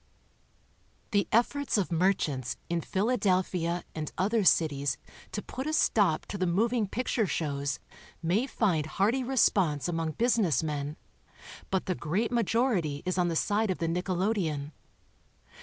The efforts of merchants in Philadelphia and other cities to put a stop to the moving picture shows may find hearty response among business men, but the great majority is on the side of the nickelodeon.